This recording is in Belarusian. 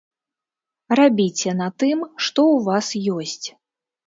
Рабіце на тым, што ў вас ёсць.